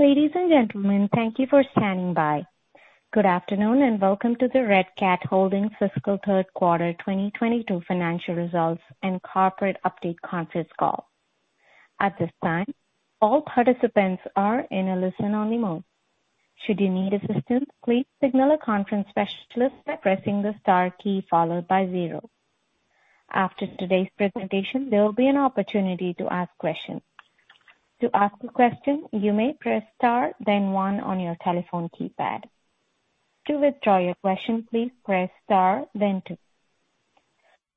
Ladies and gentlemen, thank you for standing by. Good afternoon, and welcome to the Red Cat Holdings Fiscal Third Quarter 2022 Financial Results and Corporate Update conference call. At this time, all participants are in a listen-only mode. Should you need assistance, please signal a conference specialist by pressing the star key followed by zero. After today's presentation, there will be an opportunity to ask questions. To ask a question, you may press star then one on your telephone keypad. To withdraw your question, please press star then two.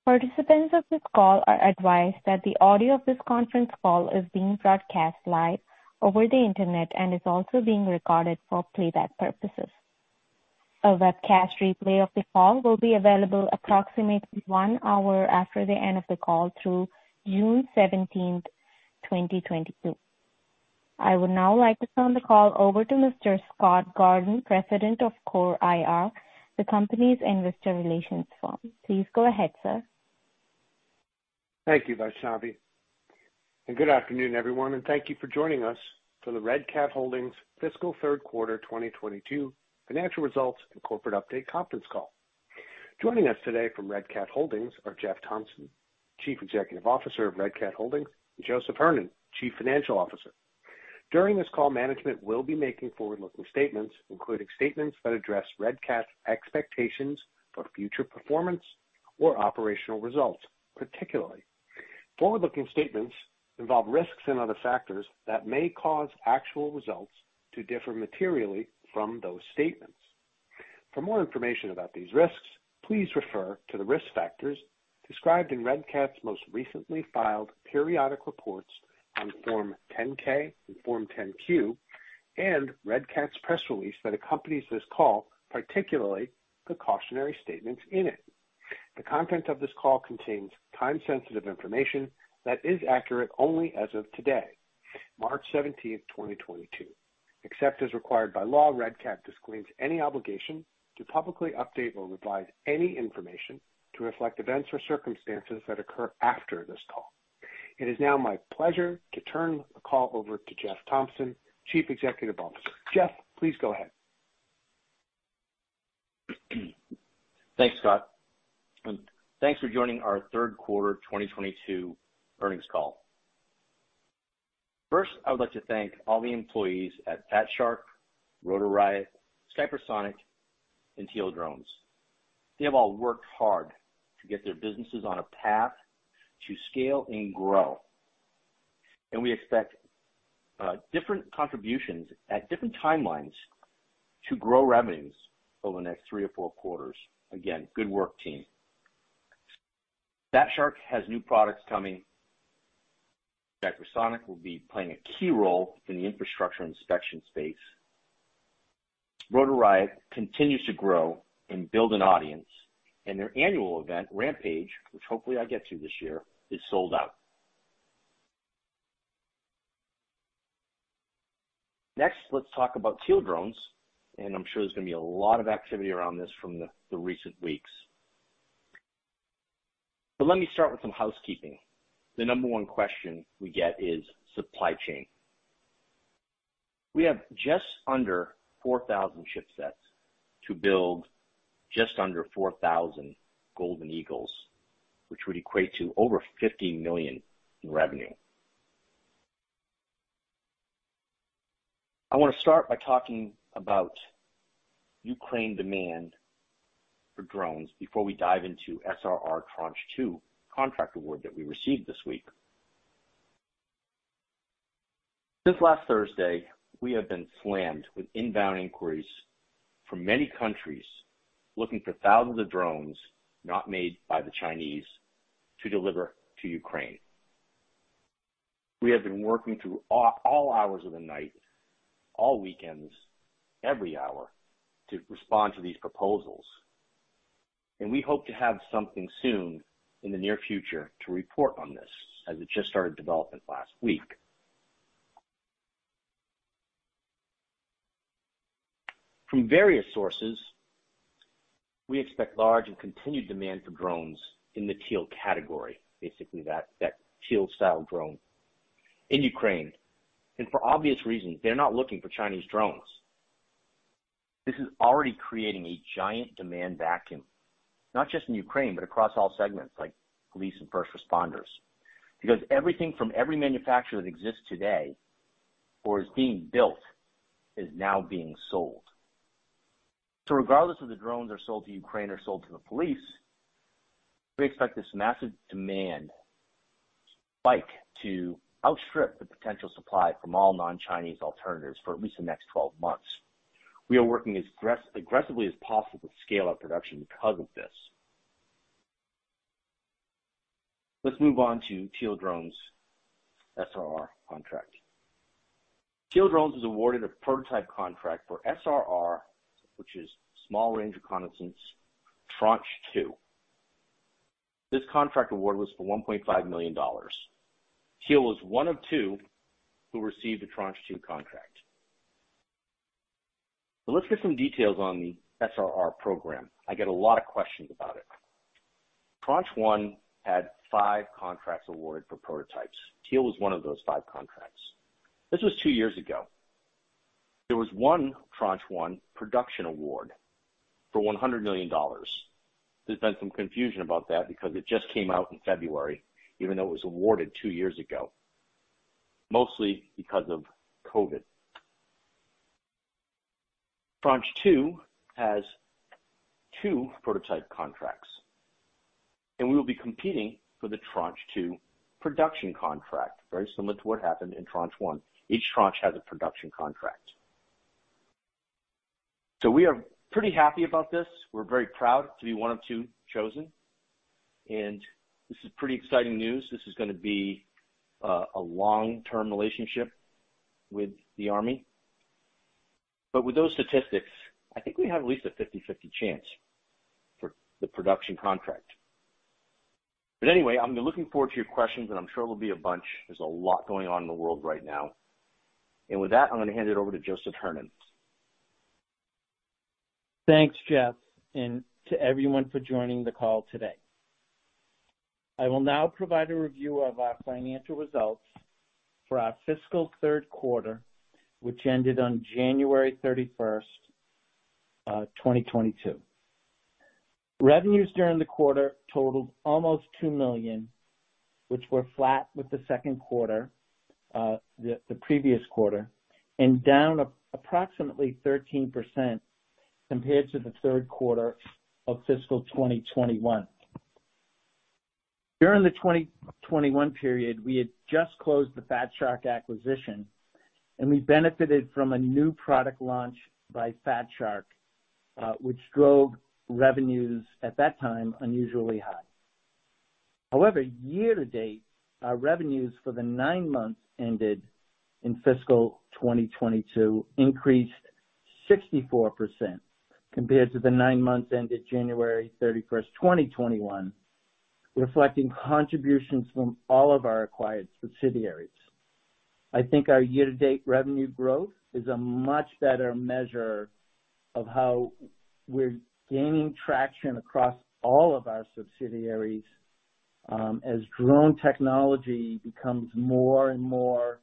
Participants of this call are advised that the audio of this conference call is being broadcast live over the Internet and is also being recorded for playback purposes. A webcast replay of the call will be available approximately one hour after the end of the call through June 17th, 2022. I would now like to turn the call over to Mr. Scott Gordon, President of CORE IR, the company's investor relations firm. Please go ahead, sir. Thank you, Vaishnavi, and good afternoon, everyone, and thank you for joining us for the Red Cat Holdings Fiscal Third Quarter 2022 Financial Results and Corporate Update conference call. Joining us today from Red Cat Holdings are Jeff Thompson, Chief Executive Officer of Red Cat Holdings, and Joseph Hernon, Chief Financial Officer. During this call, management will be making forward-looking statements, including statements that address Red Cat's expectations for future performance or operational results. Particularly, forward-looking statements involve risks and other factors that may cause actual results to differ materially from those statements. For more information about these risks, please refer to the risk factors described in Red Cat's most recently filed periodic reports on Form 10-K and Form 10-Q and Red Cat's press release that accompanies this call, particularly the cautionary statements in it. The content of this call contains time-sensitive information that is accurate only as of today, March 17th, 2022. Except as required by law, Red Cat disclaims any obligation to publicly update or revise any information to reflect events or circumstances that occur after this call. It is now my pleasure to turn the call over to Jeff Thompson, Chief Executive Officer. Jeff, please go ahead. Thanks, Scott, and thanks for joining our third quarter 2022 earnings call. First, I would like to thank all the employees at Fat Shark, Rotor Riot, Skypersonic, and Teal Drones. They have all worked hard to get their businesses on a path to scale and grow. We expect different contributions at different timelines to grow revenues over the next three or four quarters. Again, good work team. Fat Shark has new products coming. Skypersonic will be playing a key role in the infrastructure inspection space. Rotor Riot continues to grow and build an audience, and their annual event, Rampage, which hopefully I get to this year, is sold out. Next, let's talk about Teal Drones, and I'm sure there's gonna be a lot of activity around this from the recent weeks. Let me start with some housekeeping. The number one question we get is supply chain. We have just under 4,000 ship sets to build just under 4,000 Golden Eagle, which would equate to over $50 million in revenue. I wanna start by talking about Ukraine demand for drones before we dive into SRR Tranche 2 contract award that we received this week. Since last Thursday, we have been slammed with inbound inquiries from many countries looking for thousands of drones not made by the Chinese to deliver to Ukraine. We have been working through all hours of the night, all weekends, every hour to respond to these proposals, and we hope to have something soon in the near future to report on this as it just started development last week. From various sources, we expect large and continued demand for drones in the Teal category, basically that Teal style drone in Ukraine. For obvious reasons, they're not looking for Chinese drones. This is already creating a giant demand vacuum, not just in Ukraine, but across all segments like police and first responders. Because everything from every manufacturer that exists today or is being built is now being sold. Regardless if the drones are sold to Ukraine or sold to the police, we expect this massive demand spike to outstrip the potential supply from all non-Chinese alternatives for at least the next 12 months. We are working as aggressively as possible to scale up production because of this. Let's move on to Teal Drones SRR contract. Teal Drones was awarded a prototype contract for SRR, which is Short Range Reconnaissance Tranche 2. This contract award was for $1.5 million. Teal was one of two who received a Tranche 2 contract. Let's get some details on the SRR program. I get a lot of questions about it. Tranche 1 had five contracts awarded for prototypes. Teal was one of those five contracts. This was two years ago. There was one Tranche 1 production award for $100 million. There's been some confusion about that because it just came out in February, even though it was awarded two years ago, mostly because of COVID. Tranche 2 has two prototype contracts, and we will be competing for the Tranche 2 production contract, very similar to what happened in Tranche 1. Each tranche has a production contract. We are pretty happy about this. We're very proud to be one of two chosen, and this is pretty exciting news. This is gonna be a long-term relationship with the Army. With those statistics, I think we have at least a 50/50 chance for the production contract. I'm looking forward to your questions, and I'm sure there'll be a bunch. There's a lot going on in the world right now. With that, I'm gonna hand it over to Joseph Hernon. Thanks, Jeff, and to everyone for joining the call today. I will now provide a review of our financial results for our fiscal third quarter, which ended on January 31st, 2022. Revenues during the quarter totaled almost $2 million, which were flat with the second quarter, the previous quarter, and down approximately 13% compared to the third quarter of fiscal 2021. During the 2021 period, we had just closed the Fat Shark acquisition, and we benefited from a new product launch by Fat Shark, which drove revenues at that time unusually high. However, year to date, our revenues for the nine months ended in fiscal 2022 increased 64% compared to the nine months ended January 31st, 2021, reflecting contributions from all of our acquired subsidiaries. I think our year-to-date revenue growth is a much better measure of how we're gaining traction across all of our subsidiaries, as drone technology becomes more and more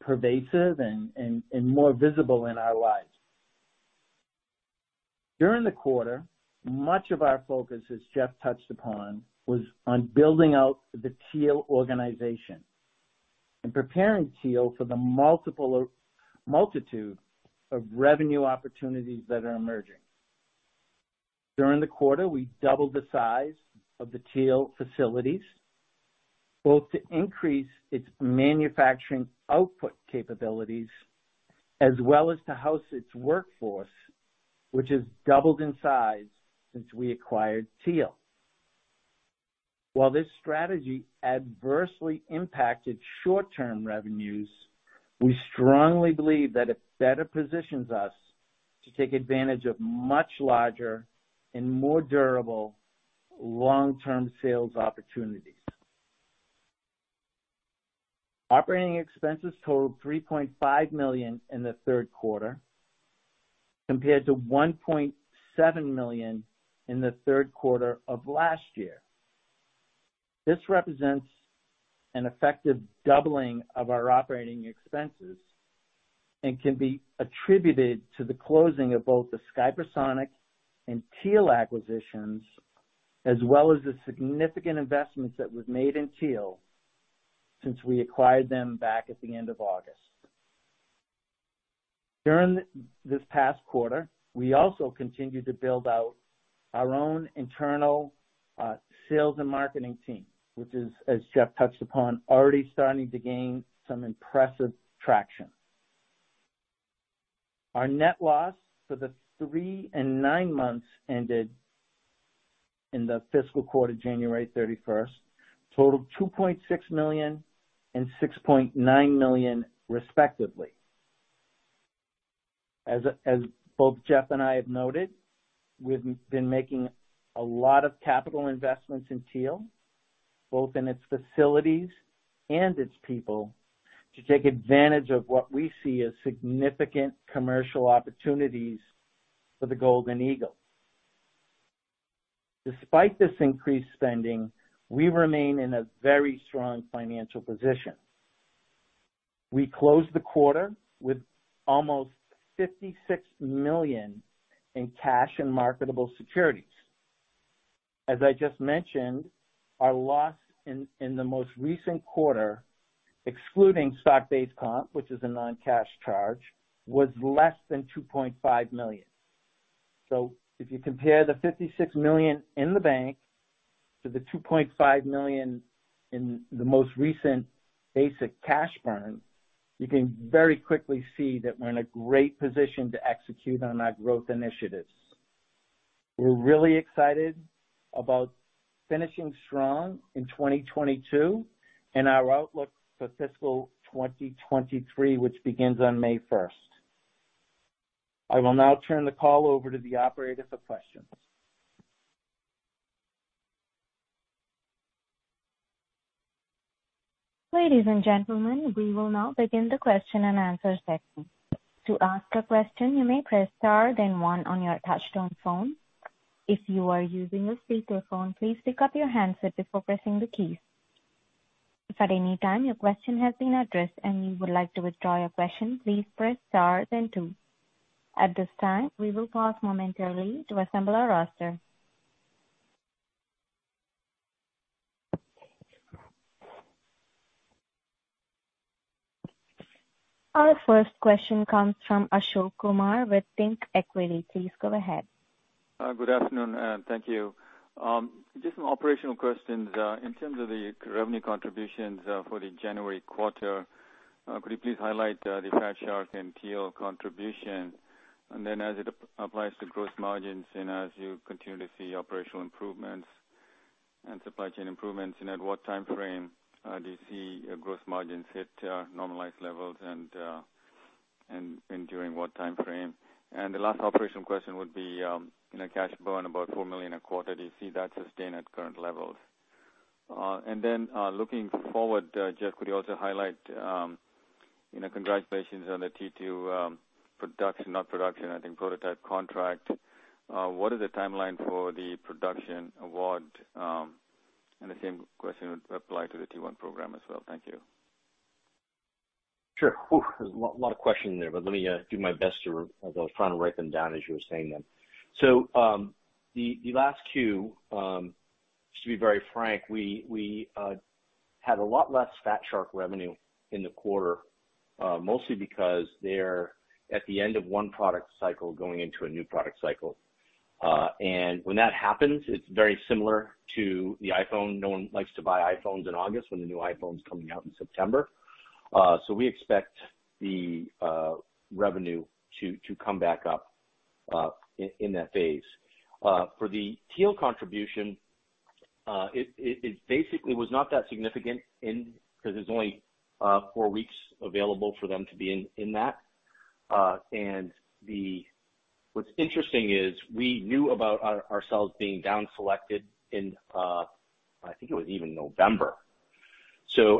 pervasive and more visible in our lives. During the quarter, much of our focus, as Jeff touched upon, was on building out the Teal organization and preparing Teal for the multitude of revenue opportunities that are emerging. During the quarter, we doubled the size of the Teal facilities, both to increase its manufacturing output capabilities as well as to house its workforce, which has doubled in size since we acquired Teal. While this strategy adversely impacted short-term revenues, we strongly believe that it better positions us to take advantage of much larger and more durable long-term sales opportunities. Operating expenses totaled $3.5 million in the third quarter compared to $1.7 million in the third quarter of last year. This represents an effective doubling of our operating expenses and can be attributed to the closing of both the Skypersonic and Teal acquisitions, as well as the significant investments that was made in Teal since we acquired them back at the end of August. During this past quarter, we also continued to build out our own internal sales and marketing team, which is, as Jeff touched upon, already starting to gain some impressive traction. Our net loss for the three and nine months ended in the fiscal quarter, January 31st, totaled $2.6 million and $6.9 million, respectively. As both Jeff and I have noted, we've been making a lot of capital investments in Teal, both in its facilities and its people, to take advantage of what we see as significant commercial opportunities for the Golden Eagle. Despite this increased spending, we remain in a very strong financial position. We closed the quarter with almost $56 million in cash and marketable securities. As I just mentioned, our loss in the most recent quarter, excluding stock-based comp, which is a non-cash charge, was less than $2.5 million. If you compare the $56 million in the bank to the $2.5 million in the most recent basic cash burn, you can very quickly see that we're in a great position to execute on our growth initiatives. We're really excited about finishing strong in 2022 and our outlook for fiscal 2023, which begins on May 1st. I will now turn the call over to the operator for questions. Ladies and gentlemen, we will now begin the question and answer session. To ask a question, you may press star then one on your touchtone phone. If you are using a speakerphone, please pick up your handset before pressing the keys. If at any time your question has been addressed and you would like to withdraw your question, please press star then two. At this time, we will pause momentarily to assemble our roster. Our first question comes from Ashok Kumar with ThinkEquity. Please go ahead. Good afternoon and thank you. Just some operational questions. In terms of the revenue contributions, for the January quarter, could you please highlight the Fat Shark and Teal contribution? Then as it applies to gross margins and as you continue to see operational improvements and supply chain improvements, and at what timeframe do you see gross margins hit normalized levels and during what timeframe? The last operational question would be, you know, cash burn about $4 million a quarter. Do you see that sustained at current levels? Then, looking forward, Jeff, could you also highlight, you know, congratulations on the T2 prototype contract. What is the timeline for the production award? The same question would apply to the T1 program as well. Thank you. Sure. Ooh, there's a lot of questions there, but let me do my best to, as I was trying to write them down as you were saying them. The last two, to be very frank, we had a lot less Fat Shark revenue in the quarter, mostly because they're at the end of one product cycle going into a new product cycle. When that happens, it's very similar to the iPhone. No one likes to buy iPhones in August when the new iPhone's coming out in September. We expect the revenue to come back up in that phase. For the Teal contribution, it basically was not that significant in because there's only four weeks available for them to be in that. What's interesting is we knew about ourselves being down selected in, I think it was even November.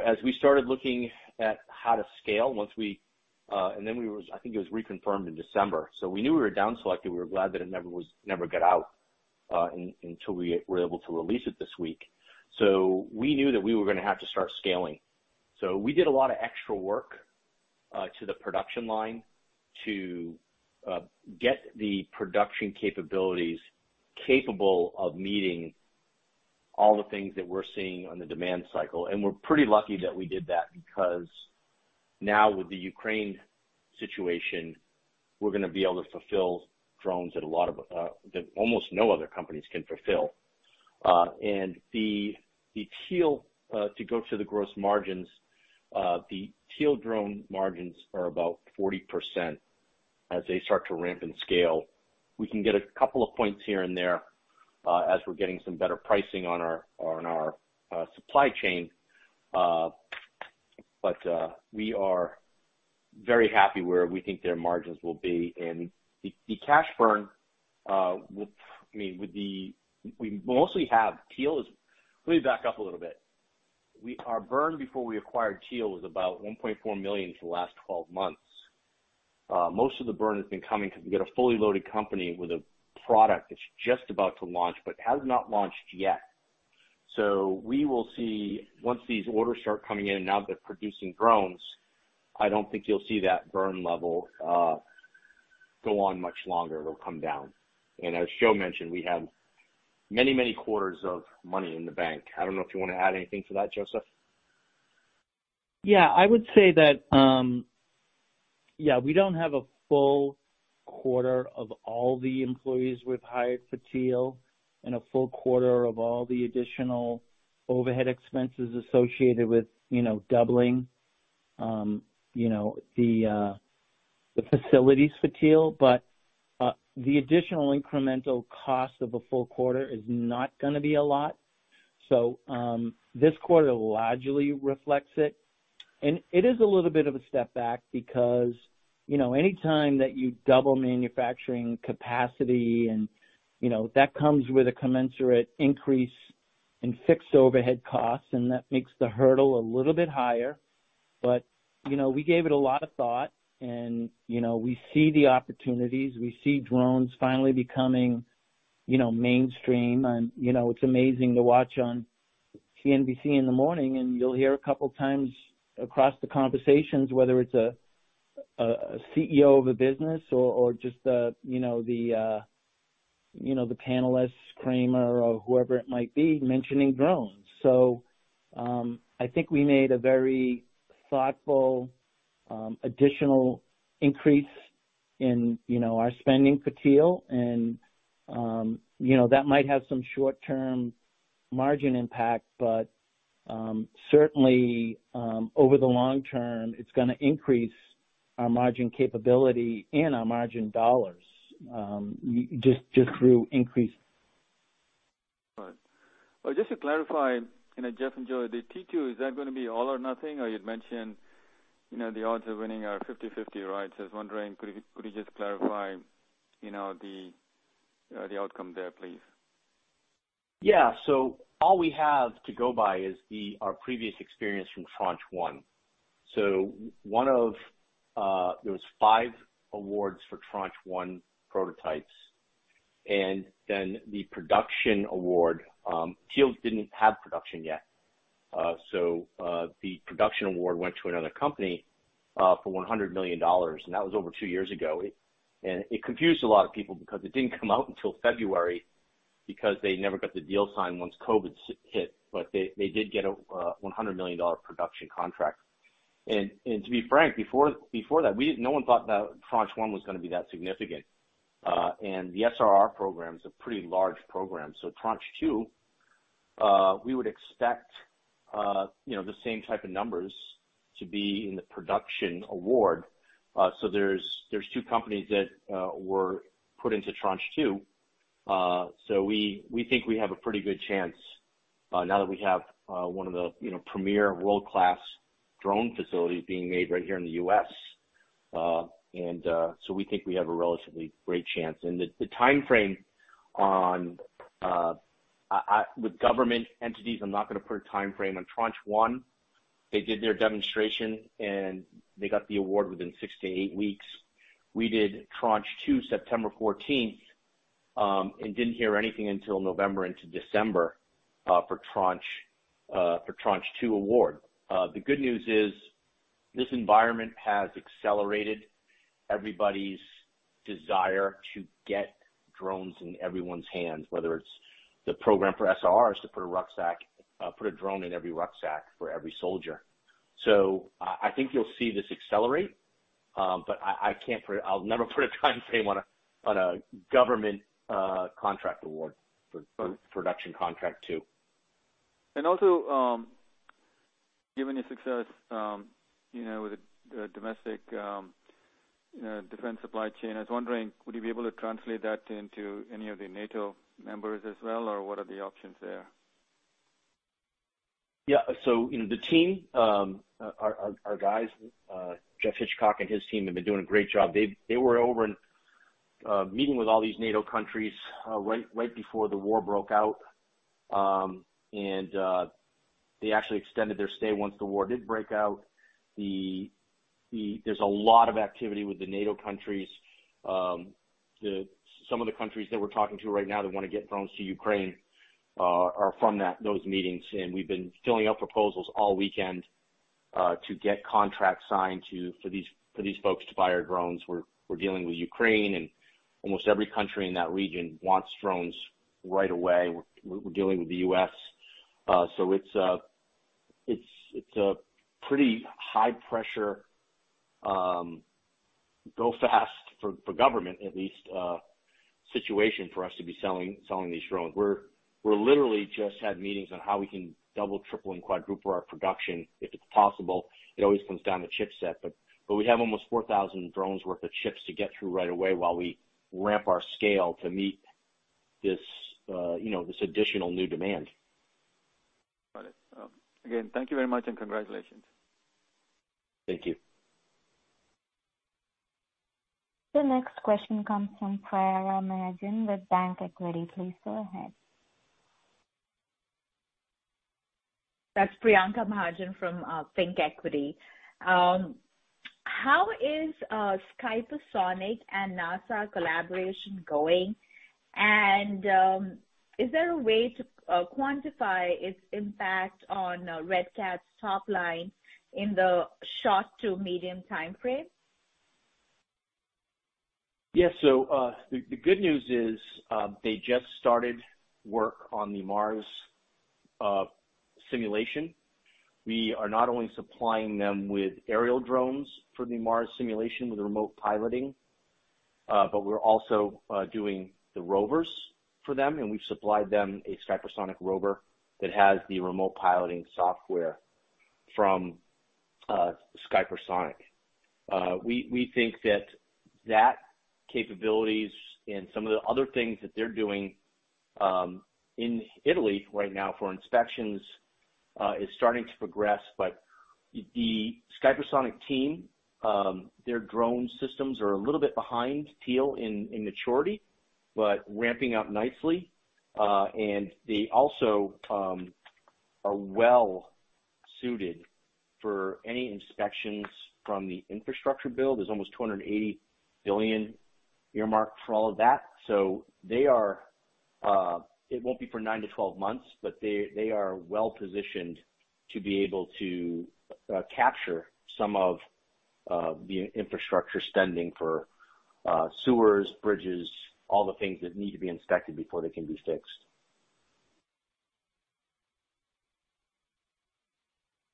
As we started looking at how to scale once we were, I think it was reconfirmed in December. We knew we were down selected. We were glad that it never got out until we were able to release it this week. We knew that we were gonna have to start scaling. We did a lot of extra work to the production line to get the production capabilities capable of meeting all the things that we're seeing on the demand cycle. We're pretty lucky that we did that because now with the Ukraine situation, we're gonna be able to fulfill drones that almost no other companies can fulfill. The Teal drone margins are about 40% as they start to ramp and scale. We can get a couple of points here and there as we're getting some better pricing on our supply chain, but we are very happy where we think their margins will be. The cash burn with, I mean, with the. Let me back up a little bit. Our burn before we acquired Teal was about $1.4 million for the last 12 months. Most of the burn has been coming because we get a fully loaded company with a product that's just about to launch but has not launched yet. We will see once these orders start coming in and now they're producing drones, I don't think you'll see that burn level go on much longer. It'll come down. As Joe mentioned, we have many, many quarters of money in the bank. I don't know if you wanna add anything to that, Joseph. I would say that we don't have a full quarter of all the employees we've hired for Teal and a full quarter of all the additional overhead expenses associated with, you know, doubling, you know, the facilities for Teal. The additional incremental cost of a full quarter is not gonna be a lot. This quarter largely reflects it. It is a little bit of a step back because, you know, any time that you double manufacturing capacity and, you know, that comes with a commensurate increase in fixed overhead costs, and that makes the hurdle a little bit higher. We gave it a lot of thought and, you know, we see the opportunities. We see drones finally becoming, you know, mainstream. You know, it's amazing to watch on CNBC in the morning, and you'll hear a couple times across the conversations, whether it's a CEO of a business or just you know the panelists, Cramer or whoever it might be mentioning drones. I think we made a very thoughtful additional increase in you know our spending for Teal and you know that might have some short-term margin impact, but certainly over the long term, it's gonna increase our margin capability and our margin dollars just through increase. Right. Well, just to clarify, you know, Jeff and Joe, the T2, is that gonna be all or nothing? Or you'd mentioned, you know, the odds of winning are 50/50, right? So I was wondering, could you just clarify, you know, the outcome there, please? Yeah. All we have to go by is the, our previous experience from Tranche 1. One of there was five awards for Tranche 1 prototypes, and then the production award, Teal didn't have production yet. The production award went to another company for $100 million, and that was over two years ago. It confused a lot of people because it didn't come out until February because they never got the deal signed once COVID hit. They did get a $100 million production contract. To be frank, before that, no one thought that Tranche 1 was gonna be that significant. The SRR program is a pretty large program. Tranche 2, we would expect, you know, the same type of numbers to be in the production award. There's two companies that were put into Tranche 2. We think we have a pretty good chance, now that we have one of the, you know, premier world-class drone facilities being made right here in the U.S. We think we have a relatively great chance. The timeframe on, with government entities, I'm not gonna put a timeframe. On Tranche 1, they did their demonstration, and they got the award within six to eight weeks. We did Tranche 2 September 14th, and didn't hear anything until November into December for Tranche 2 award. The good news is this environment has accelerated everybody's desire to get drones in everyone's hands, whether it's the program for SRRs to put a drone in every rucksack for every soldier. I think you'll see this accelerate, but I can't put a timeframe on a government contract award for production contract two. Also, given your success, you know, with the domestic, you know, defense supply chain, I was wondering, would you be able to translate that into any of the NATO members as well? Or what are the options there? Yeah. You know, the team, our guys, Geoff Hitchcock and his team have been doing a great job. They were over in meeting with all these NATO countries right before the war broke out. They actually extended their stay once the war did break out. There's a lot of activity with the NATO countries. Some of the countries that we're talking to right now that wanna get drones to Ukraine are from those meetings, and we've been filling out proposals all weekend to get contracts signed for these folks to buy our drones. We're dealing with Ukraine, and almost every country in that region wants drones right away. We're dealing with the U.S. It's a pretty high pressure, go fast, for government at least, situation for us to be selling these drones. We're literally just had meetings on how we can double, triple, and quadruple our production if it's possible. It always comes down to chipset. We have almost 4,000 drones worth of chips to get through right away while we ramp our scale to meet this additional new demand. Got it. Again, thank you very much, and congratulations. Thank you. The next question comes from Priyanka Mahajan with ThinkEquity. Please go ahead. That's Priyanka Mahajan from ThinkEquity. How is Skypersonic and NASA collaboration going? Is there a way to quantify its impact on Red Cat's top line in the short to medium timeframe? Yeah. The good news is, they just started work on the Mars simulation. We are not only supplying them with aerial drones for the Mars simulation with remote piloting, but we're also doing the rovers for them, and we've supplied them a Skypersonic rover that has the remote piloting software from Skypersonic. We think that capabilities and some of the other things that they're doing in Italy right now for inspections is starting to progress. But the Skypersonic team, their drone systems are a little bit behind Teal in maturity, but ramping up nicely. They also are well suited for any inspections from the infrastructure build. There's almost $280 billion earmarked for all of that. They are... It won't be for nine to 12 months, but they are well positioned to be able to capture some of the infrastructure spending for sewers, bridges, all the things that need to be inspected before they can be fixed.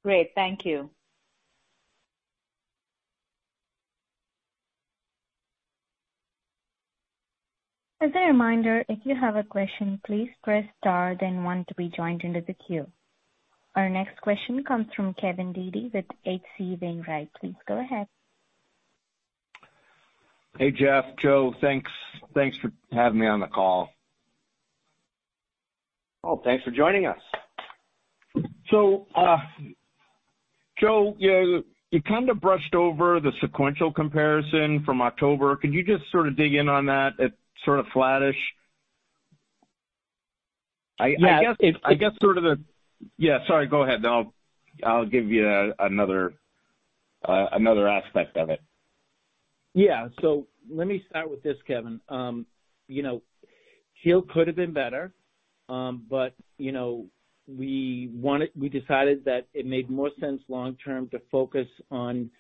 Great. Thank you. As a reminder, if you have a question, please press star then one to be joined into the queue. Our next question comes from Kevin Dede with H.C. Wainwright. Please go ahead. Hey, Jeff, Joe. Thanks. Thanks for having me on the call. Oh, thanks for joining us. Joe, you kind of brushed over the sequential comparison from October. Could you just sort of dig in on that at sort of flattish? I guess. Yeah, sorry. Go ahead. I'll give you another aspect of it. Yeah. Let me start with this, Kevin. You know, Teal could have been better, but you know, we decided that it made more sense long term to focus on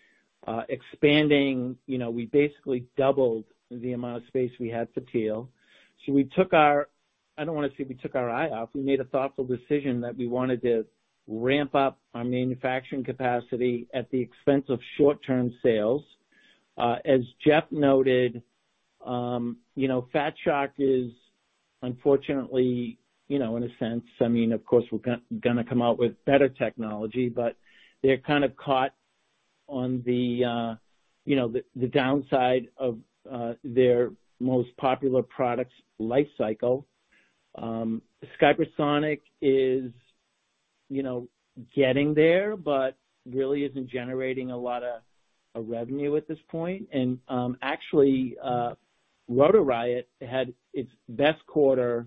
expanding. You know, we basically doubled the amount of space we had for Teal. I don't wanna say we took our eye off. We made a thoughtful decision that we wanted to ramp up our manufacturing capacity at the expense of short-term sales. As Jeff noted, you know, Fat Shark is unfortunately, you know, in a sense, I mean, of course, we're gonna come out with better technology, but they're kind of caught on the downside of their most popular product's life cycle. Skypersonic is, you know, getting there, but really isn't generating a lot of revenue at this point. Actually, Rotor Riot had its best quarter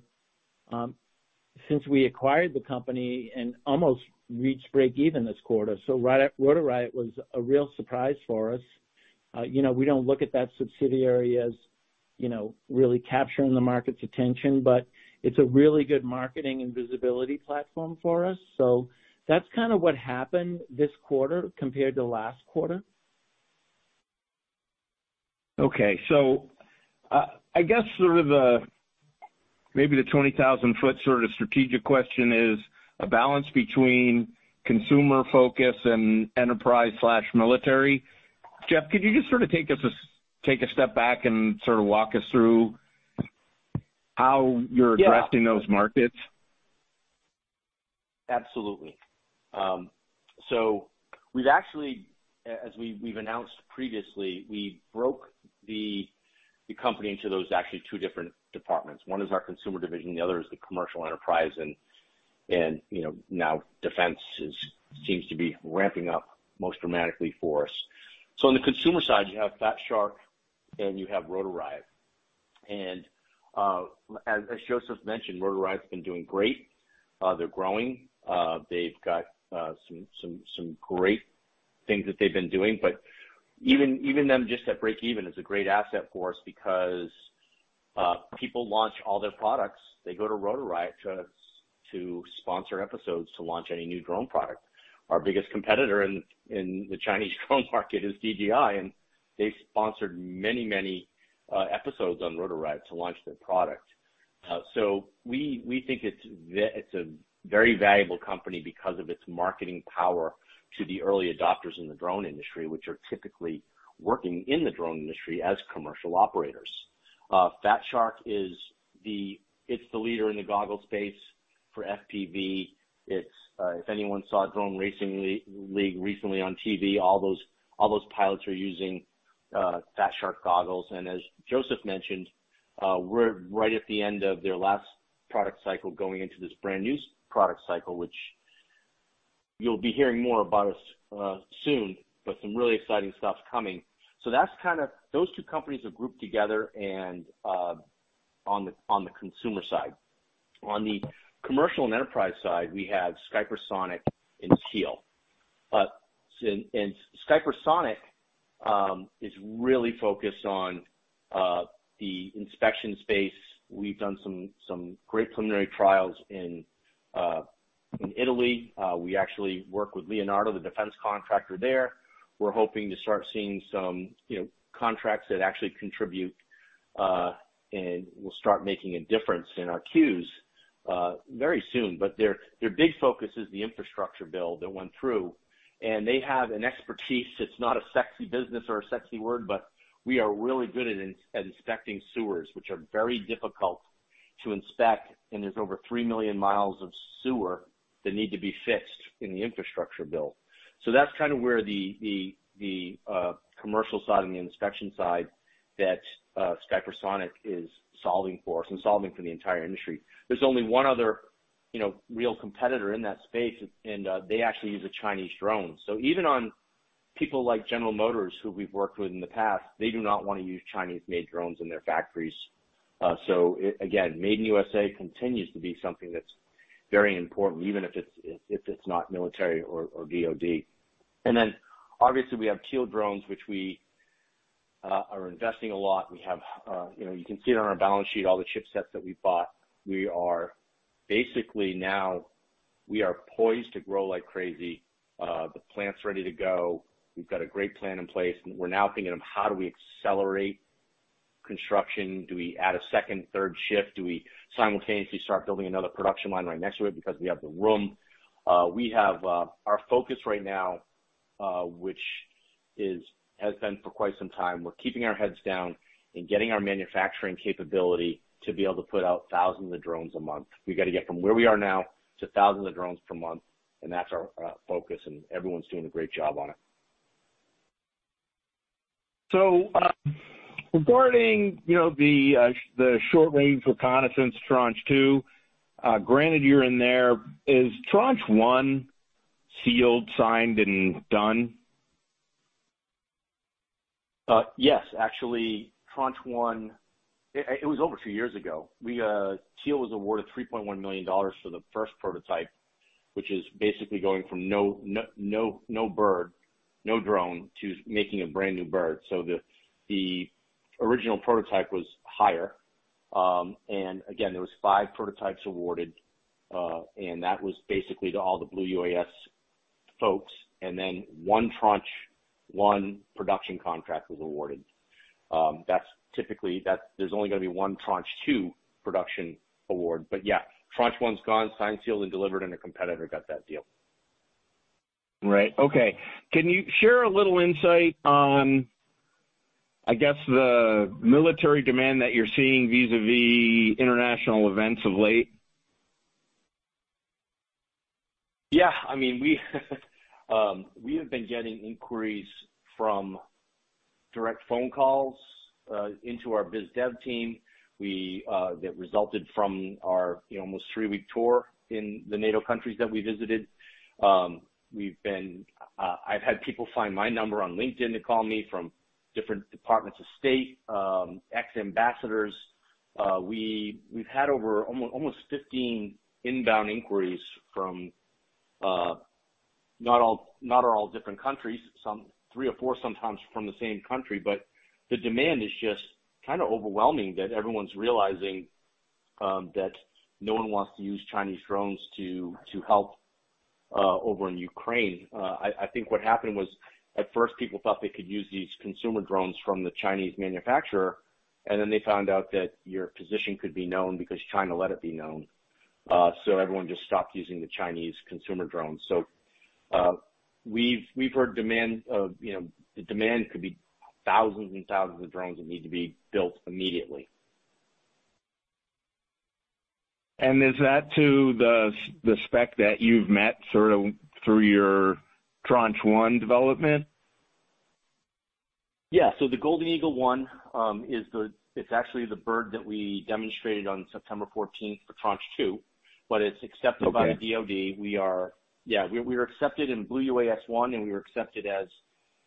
since we acquired the company and almost reached break-even this quarter. Rotor Riot was a real surprise for us. You know, we don't look at that subsidiary as, you know, really capturing the market's attention, but it's a really good marketing and visibility platform for us. That's kinda what happened this quarter compared to last quarter. Okay. I guess sort of the, maybe the 20,000 ft sort of strategic question is a balance between consumer focus and enterprise/military. Jeff, could you just sort of take a step back and sort of walk us through how you're Yeah. addressing those markets? Absolutely. So we've actually, as we've announced previously, we broke the company into those two different departments. One is our consumer division, the other is the commercial enterprise. You know, now defense seems to be ramping up most dramatically for us. On the consumer side, you have Fat Shark and you have Rotor Riot. As Joseph mentioned, Rotor Riot's been doing great. They're growing. They've got some great things that they've been doing, but even them just at break even is a great asset for us because people launch all their products. They go to Rotor Riot to sponsor episodes to launch any new drone product. Our biggest competitor in the Chinese drone market is DJI, and they sponsored many episodes on Rotor Riot to launch their product. We think it's a very valuable company because of its marketing power to the early adopters in the drone industry, which are typically working in the drone industry as commercial operators. Fat Shark is the leader in the goggle space for FPV. If anyone saw Drone Racing League recently on TV, all those pilots are using Fat Shark goggles. As Joseph mentioned, we're right at the end of their last product cycle going into this brand new product cycle, which you'll be hearing more about soon, but some really exciting stuff's coming. Those two companies are grouped together on the consumer side. On the commercial and enterprise side, we have Skypersonic and Teal. Skypersonic is really focused on the inspection space. We've done some great preliminary trials in Italy. We actually work with Leonardo, the defense contractor there. We're hoping to start seeing some, you know, contracts that actually contribute, and will start making a difference in our queues, very soon. Their big focus is the infrastructure bill that went through. They have an expertise, it's not a sexy business or a sexy word, but we are really good at inspecting sewers, which are very difficult to inspect, and there's over 3 million mi of sewer that need to be fixed in the infrastructure bill. That's kind of where the commercial side and the inspection side that Skypersonic is solving for us and solving for the entire industry. There's only one other, you know, real competitor in that space, and they actually use a Chinese drone. So even on people like General Motors, who we've worked with in the past, they do not wanna use Chinese-made drones in their factories. So again, made in USA continues to be something that's very important, even if it's not military or DoD. Obviously we have Teal Drones, which we are investing a lot. We have, you know, you can see it on our balance sheet, all the chipsets that we bought. We are basically now, we are poised to grow like crazy. The plant's ready to go. We've got a great plan in place. We're now thinking of how do we accelerate construction? Do we add a second, third shift? Do we simultaneously start building another production line right next to it because we have the room? Our focus right now, which has been for quite some time, is keeping our heads down and getting our manufacturing capability to be able to put out thousands of drones a month. We gotta get from where we are now to thousands of drones per month, and that's our focus, and everyone's doing a great job on it. Regarding, you know, the Short Range Reconnaissance Tranche 2, granted you're in there. Is Tranche 1 sealed, signed, and done? Yes. Actually, Tranche 1, it was over two years ago. Teal was awarded $3.1 million for the first prototype, which is basically going from no bird, no drone to making a brand new bird. The original prototype was higher. Again, there were five prototypes awarded. That was basically to all the Blue UAS folks. Then one Tranche 1 production contract was awarded. That's typically, there's only gonna be one Tranche 2 production award. Yeah, Tranche 1 is gone, signed, sealed, and delivered, and a competitor got that deal. Right. Okay. Can you share a little insight on, I guess, the military demand that you're seeing vis-a-vis international events of late? Yeah. I mean, we have been getting inquiries from direct phone calls into our biz dev team that resulted from our, you know, almost three-week tour in the NATO countries that we visited. I've had people find my number on LinkedIn to call me from different departments of state, ex-ambassadors. We've had over almost 15 inbound inquiries from not all different countries, some three or four, sometimes from the same country. The demand is just kinda overwhelming that everyone's realizing that no one wants to use Chinese drones to help over in Ukraine. I think what happened was, at first people thought they could use these consumer drones from the Chinese manufacturer, and then they found out that your position could be known because China let it be known. Everyone just stopped using the Chinese consumer drones. We've heard demand of, you know, the demand could be thousands and thousands of drones that need to be built immediately. Is that to the spec that you've met sort of through your Tranche 1 development? The Golden Eagle One is actually the bird that we demonstrated on September 14th for Tranche 2, but it's accepted by the DoD. Okay. We're accepted in Blue UAS one, and we were accepted.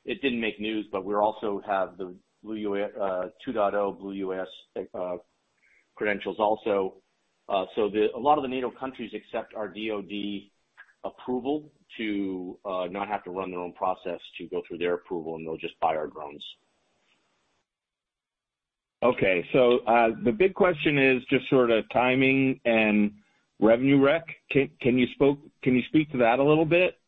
It didn't make news, but we also have the Blue UAS 2.0 Blue UAS credentials also. A lot of the NATO countries accept our DoD approval to not have to run their own process to go through their approval, and they'll just buy our drones. The big question is just sort of timing and revenue rec. Can you speak to that a little bit?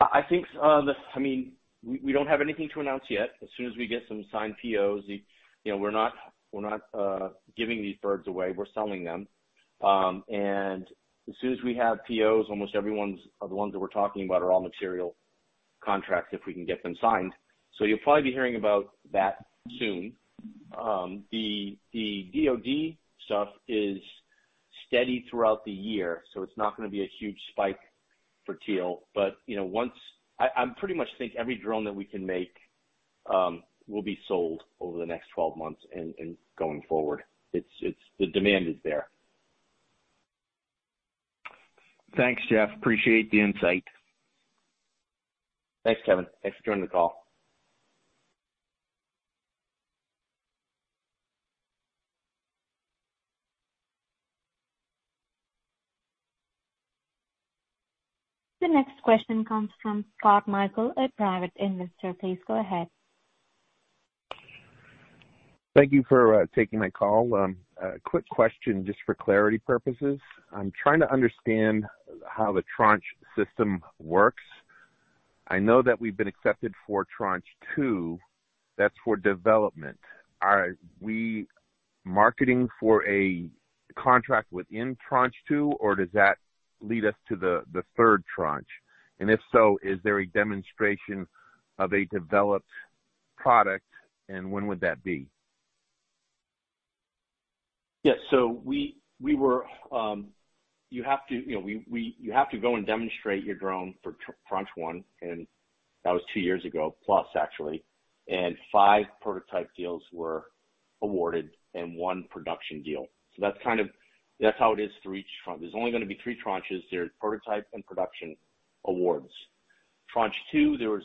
I think, I mean, we don't have anything to announce yet. As soon as we get some signed POs, you know, we're not giving these birds away, we're selling them. As soon as we have POs, almost everyone's the ones that we're talking about are all material contracts if we can get them signed. You'll probably be hearing about that soon. The DoD stuff is steady throughout the year, so it's not gonna be a huge spike for Teal. You know, I pretty much think every drone that we can make will be sold over the next 12 months and going forward. The demand is there. Thanks, Jeff. Appreciate the insight. Thanks, Kevin. Thanks for joining the call. The next question comes from Scott Michael, a private investor. Please go ahead. Thank you for taking my call. A quick question just for clarity purposes. I'm trying to understand how the Tranche system works. I know that we've been accepted for Tranche 2. That's for development. Are we marketing for a contract within Tranche 2, or does that lead us to the third Tranche? If so, is there a demonstration of a developed product, and when would that be? You have to go and demonstrate your drone for Tranche 1, and that was two years ago, actually, and five prototype deals were awarded and one production deal. That's kind of how it is through each Tranche. There's only gonna be three Tranches. There's prototype and production awards. Tranche 2, there was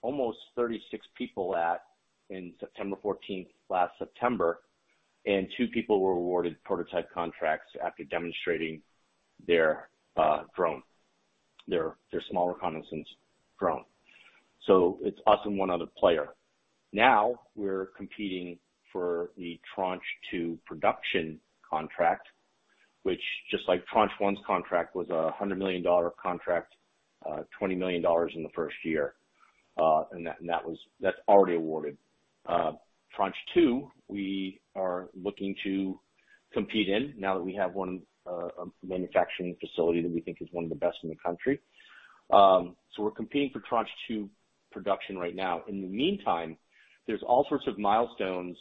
almost 36 people at, in September 14th, last September, and two people were awarded prototype contracts after demonstrating their drone, their small reconnaissance drone. It's us and one other player. Now, we're competing for the Tranche 2 production contract, which, just like Tranche 1's contract, was a $100 million contract, $20 million in the first year. And that's already awarded. Tranche 2, we are looking to compete in now that we have one manufacturing facility that we think is one of the best in the country. We're competing for Tranche 2 production right now. In the meantime, there's all sorts of milestones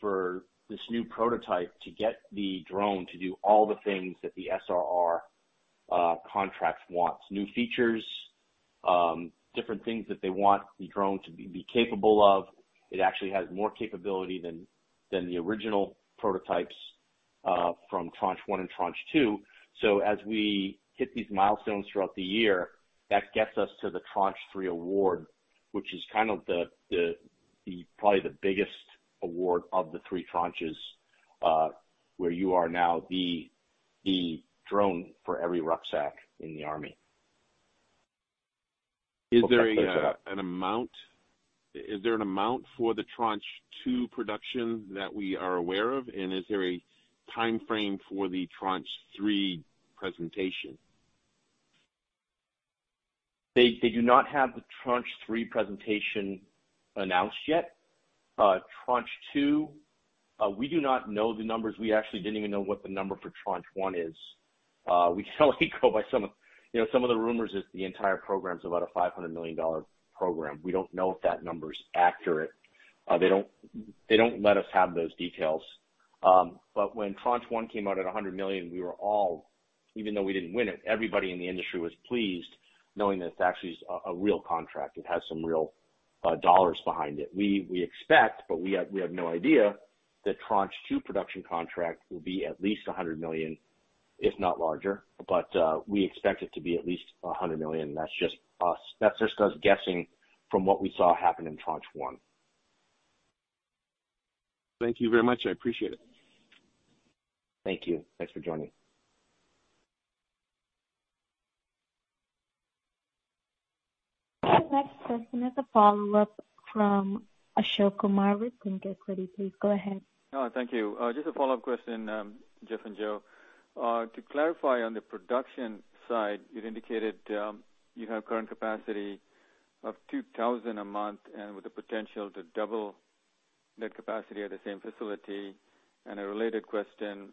for this new prototype to get the drone to do all the things that the SRR contract wants. New features, different things that they want the drone to be capable of. It actually has more capability than the original prototypes from Tranche 1 and Tranche 2. As we hit these milestones throughout the year, that gets us to the Tranche 3 award, which is kind of the probably the biggest award of the three tranches, where you are now the drone for every rucksack in the army. Is there an amount? Is there an amount for the Tranche 2 production that we are aware of? Is there a timeframe for the Tranche 3 presentation? They do not have the Tranche 3 presentation announced yet. Tranche 2, we do not know the numbers. We actually didn't even know what the number for Tranche 1 is. We can only go by some of the rumors. You know, the entire program is about a $500 million program. We don't know if that number is accurate. They don't let us have those details. When Tranche 1 came out at $100 million, we were all, even though we didn't win it, everybody in the industry was pleased knowing that it's actually a real contract. It has some real dollars behind it. We expect, but we have no idea, the Tranche 2 production contract will be at least $100 million, if not larger. We expect it to be at least $100 million. That's just us guessing from what we saw happen in Tranche 1. Thank you very much. I appreciate it. Thank you. Thanks for joining. The next question is a follow-up from Ashok Kumar with ThinkEquity. Please go ahead. Oh, thank you. Just a follow-up question, Jeff and Joe. To clarify on the production side, you've indicated you have current capacity of 2,000 a month and with the potential to double that capacity at the same facility. A related question,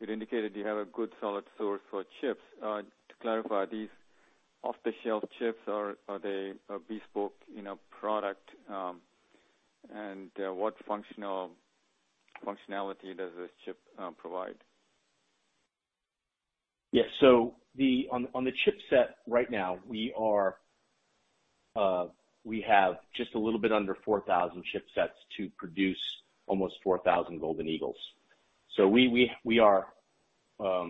it indicated you have a good solid source for chips. To clarify, are these off-the-shelf chips or are they a bespoke, you know, product, and what functionality does this chip provide? Yeah. On the chipset right now, we have just a little bit under 4,000 chipsets to produce almost 4,000 Golden Eagle. We are, you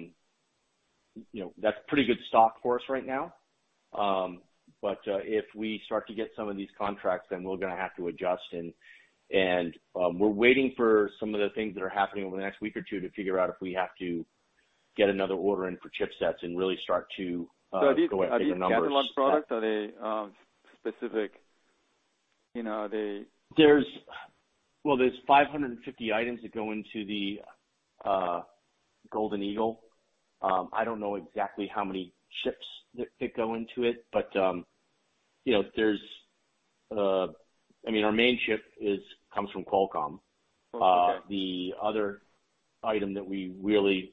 know, that's pretty good stock for us right now. If we start to get some of these contracts, then we're gonna have to adjust. We're waiting for some of the things that are happening over the next week or two to figure out if we have to get another order in for chipsets and really start to go after the numbers. Are these catalog products? Are they specific? You know, are they- There's 550 items that go into the Golden Eagle. I don't know exactly how many chips that go into it, but you know, I mean, our main chip comes from Qualcomm. Okay. The other item that we really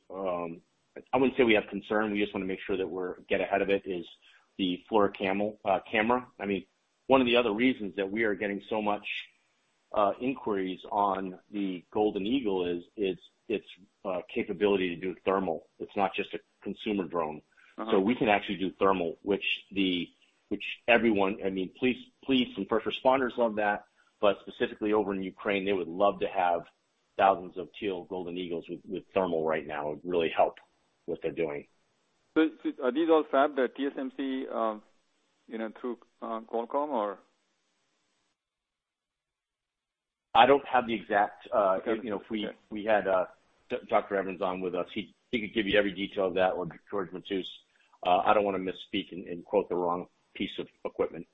I wouldn't say we have concern, we just wanna make sure that we're getting ahead of it is the FLIR thermal camera. I mean, one of the other reasons that we are getting so much inquiries on the Golden Eagle is its capability to do thermal. It's not just a consumer drone. Uh-huh. We can actually do thermal, which everyone, I mean, police and first responders love that, but specifically over in Ukraine, they would love to have thousands of Teal Golden Eagle with thermal right now. It would really help what they're doing. Are these all fab, the TSMC, you know, through Qualcomm or? I don't have the exact, you know, if we had Allan Evans on with us, he could give you every detail of that or George Matus. I don't wanna misspeak and quote the wrong piece of equipment.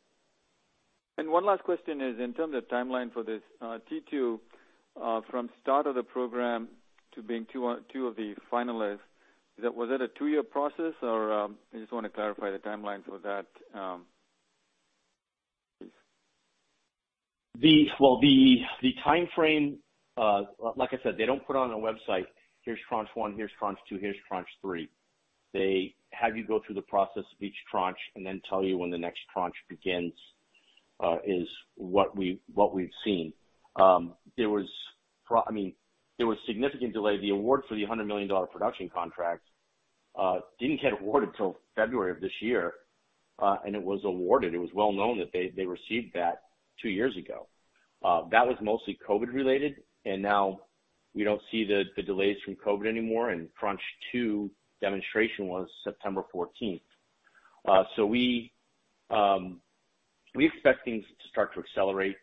One last question is, in terms of timeline for this, Tranche 2, from start of the program to being one of two finalists, was that a two-year process or, I just wanna clarify the timelines for that. The timeframe, like I said, they don't put on a website, here's Tranche 1, here's Tranche 2, here's Tranche 3. They have you go through the process of each tranche and then tell you when the next tranche begins, is what we've seen. I mean, there was significant delay. The award for the $100 million production contract didn't get awarded till February of this year. It was awarded. It was well known that they received that two years ago. That was mostly COVID-related, and now we don't see the delays from COVID anymore, and Tranche 2 demonstration was September 14. We expect things to start to accelerate,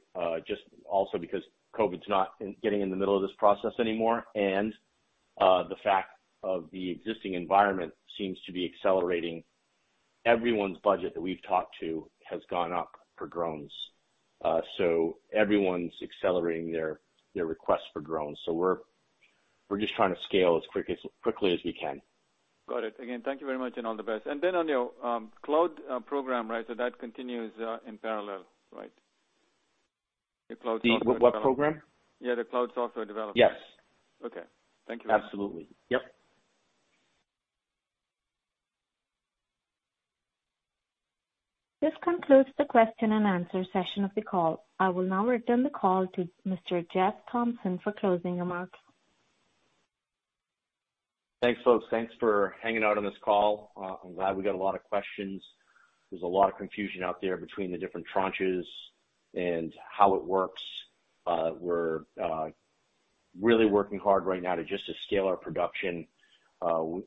just also because COVID's not getting in the middle of this process anymore. The fact of the existing environment seems to be accelerating. Everyone's budget that we've talked to has gone up for drones. Everyone's accelerating their request for drones. We're just trying to scale as quickly as we can. Got it. Again, thank you very much and all the best. On your cloud program, right? That continues in parallel, right? The cloud software development. What program? Yeah, the cloud software development. Yes. Okay. Thank you. Absolutely. Yep. This concludes the question and answer session of the call. I will now return the call to Mr. Jeff Thompson for closing remarks. Thanks, folks. Thanks for hanging out on this call. I'm glad we got a lot of questions. There's a lot of confusion out there between the different tranches and how it works. We're really working hard right now to scale our production.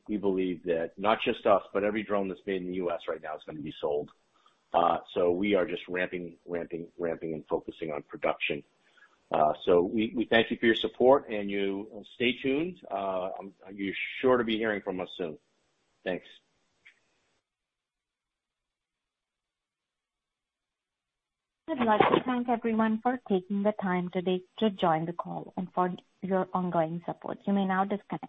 We believe that not just us, but every drone that's made in the U.S. right now is gonna be sold. We are just ramping and focusing on production. We thank you for your support and you stay tuned. You're sure to be hearing from us soon. Thanks. We'd like to thank everyone for taking the time today to join the call and for your ongoing support. You may now disconnect.